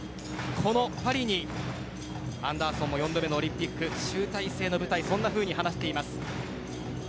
このパリにアンダーソン４度目のオリンピック集大成の舞台と話しています。